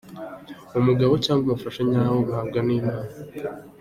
Umugabo cyangwa umufasha nyawe umuhabwa n’Imana.